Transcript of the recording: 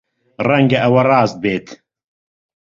ڕەنگە ئەوە ڕاست بێت.